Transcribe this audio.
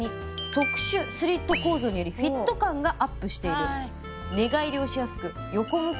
特殊スリット構造によりフィット感がアップしている。